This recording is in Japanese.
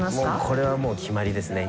これはもう決まりですね。